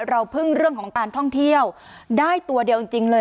เราพึ่งเรื่องของการท่องเที่ยวได้ตัวเดียวจริงเลย